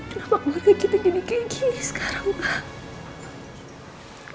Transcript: kenapa kita jadi kayak gini sekarang pak